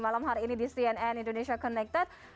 malam hari ini di cnn indonesia connected